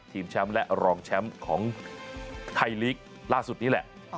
แชมป์และรองแชมป์ของไทยลีกล่าสุดนี้แหละ